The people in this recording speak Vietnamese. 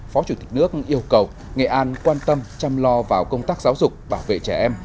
phó chủ tịch nước yêu cầu nghệ an quan tâm chăm lo vào công tác giáo dục bảo vệ trẻ em